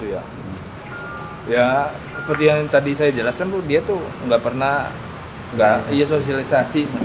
ya seperti yang tadi saya jelaskan bu dia tuh nggak pernah sosialisasi